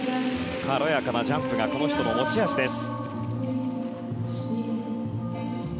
軽やかなジャンプがこの人の持ち味です。